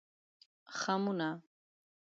خمونه